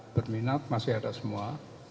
berminat masih ada semua